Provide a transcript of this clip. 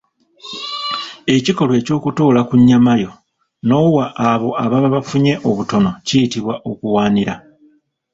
Ekikolwa ekyokutoola ku nnyamayo n’owa abo ababa bafunye obutono kiyitibwa Okuwaanira.